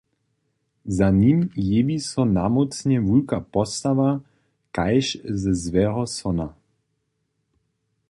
Za nim jewi so namócnje wulka postawa, kaž ze złeho sona.